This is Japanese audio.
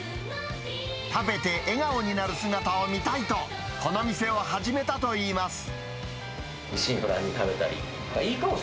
食べて笑顔になる姿を見たいと、この店を始めたといいます。